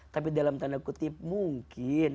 tapi dalam tanda kutip mungkin